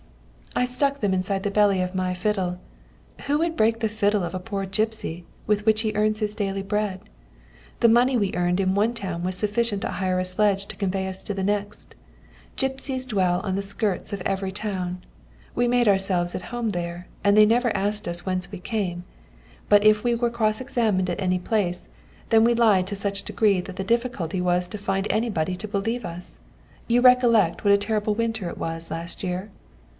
"I stuck them inside the belly of my fiddle. Who would break the fiddle of a poor gipsy with which he earns his daily bread? The money we earned in one town was sufficient to hire a sledge to convey us to the next. Gipsies dwell on the skirts of every town. We made ourselves at home there, and they never asked us whence we came; but if we were cross examined at any place, then we lied to such a degree that the difficulty was to find anybody to believe us. You recollect what a terrible winter it was last year?"